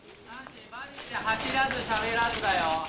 走らず、しゃべらずだよ。